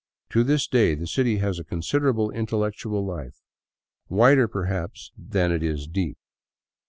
To this day the city has a considerable intellectual life, wider perhaps than it is deep.